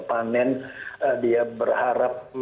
panen dia berharap